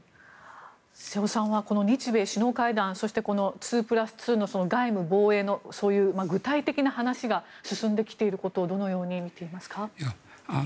瀬尾さんはこの日米首脳会談そして２プラス２の外務・防衛の具体的な話が進んできていることをどのように見ていますか。